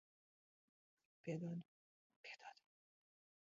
Piedod. Piedod.